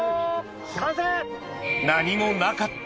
完成！